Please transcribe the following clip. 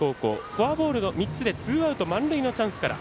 フォアボール３つでツーアウト、満塁のチャンスから。